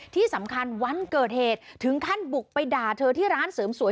ที่สำคัญวันเกิดเหตุถึงขั้นบุกไปด่าเธอที่ร้านเสริมสวย